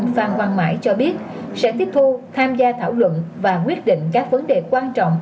phan hoàng mãi cho biết sẽ tiếp thu tham gia thảo luận và quyết định các vấn đề quan trọng